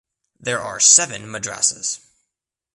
There are seven madrasas.